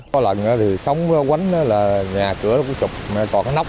có lần thì sống quánh đó là nhà cửa nó cũng sụp còn cái nóc thôi